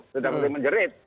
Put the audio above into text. sudah boleh menjerit